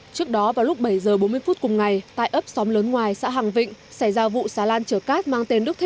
trước đó vào lúc bảy h bốn mươi phút cùng ngày tại ấp xóm lớn ngoài xã hàng vịnh xảy ra vụ xà lan chở cát mang tên đức